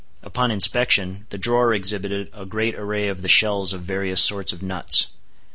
Upon inspection, the drawer exhibited a great array of the shells of various sorts of nuts.